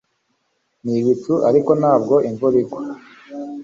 Ni ibicu ariko ntabwo imvura igwa